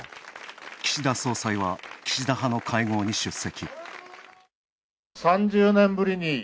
岸田総裁は岸田派の会合に出席。